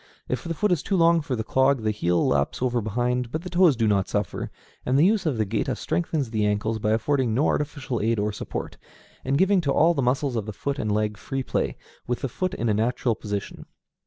If the foot is too long for the clog the heel laps over behind, but the toes do not suffer, and the use of the géta strengthens the ankles by affording no artificial aid or support, and giving to all the muscles of foot and leg free play, with the foot in a natural position.